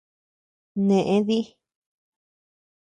Neʼe dí.